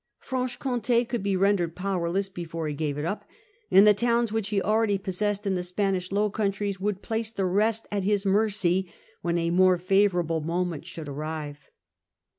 Franche Comtd could be rendered powerless before he gave it up ; and the towns which he already possessed in the Spanish Low Countries would place the rest at his mercy when a more favourable moment should arrive.